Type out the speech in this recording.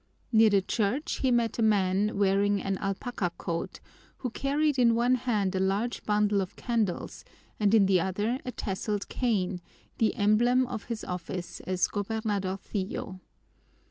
Near the church he met a man wearing an alpaca coat, who carried in one hand a large bundle of candles and in the other a tasseled cane, the emblem of his office as gobernadorcillo.